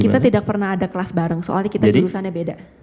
kita tidak pernah ada kelas bareng soalnya kita jurusannya beda